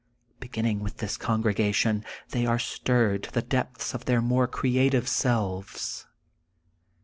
Beginning with this con gregation they are stirred to the depths of their more creative selves.